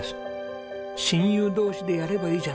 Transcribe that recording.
「親友同士でやればいいじゃないか」